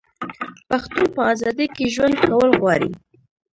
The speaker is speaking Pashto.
پښتون په ازادۍ کې ژوند کول غواړي.